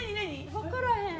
分からへん。